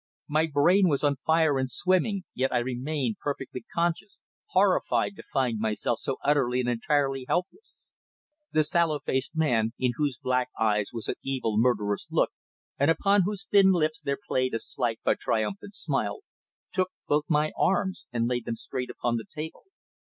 My brain was on fire and swimming, yet I remained perfectly conscious, horrified to find myself so utterly and entirely helpless. The sallow faced man, in whose black eyes was an evil, murderous look, and upon whose thin lips there played a slight, but triumphant smile, took both my arms and laid them straight upon the table.